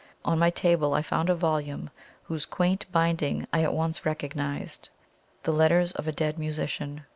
On my table I found a volume whose quaint binding I at once recognised "The Letters of a Dead Musician."